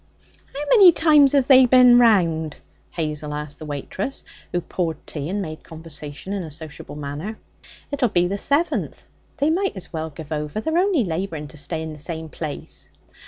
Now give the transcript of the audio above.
'How many times have they bin round?' Hazel asked the waitress, who poured tea and made conversation in a sociable manner. 'It'll be the seventh. They might as well give over. They're only labouring to stay in the same place.'